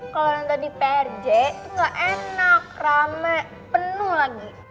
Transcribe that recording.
kalau yang tadi prj gak enak rame penuh lagi